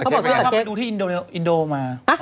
ไปดูที่อินโดมา